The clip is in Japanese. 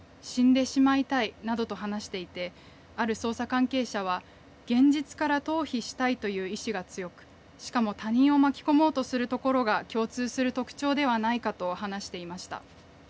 死んでしまいたいなどと話していてある捜査関係者は現実から逃避したいという意思が強くしかも他人を巻き込もうとするところが共通する特徴ではないかと話していました。